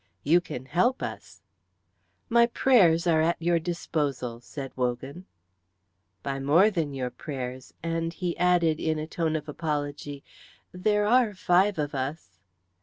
"You can help us." "My prayers are at your disposal," said Wogan. "By more than your prayers;" and he added in a tone of apology, "there are five of us."